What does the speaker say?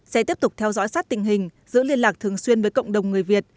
sẽ tiếp tục theo dõi sát tình hình giữ liên lạc thường xuyên với cộng đồng người việt